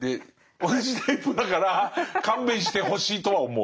同じタイプだから勘弁してほしいとは思う。